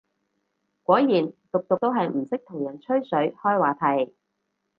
果然毒毒都係唔識同人吹水開話題